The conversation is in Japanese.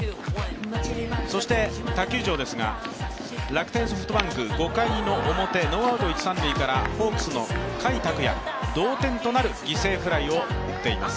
そして他球場ですが楽天×ソフトバンク５回表、ノーアウト一・三塁からホークスの甲斐拓也、同点となる犠牲フライを打っています。